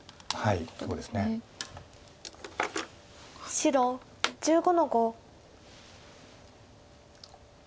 白１５の五。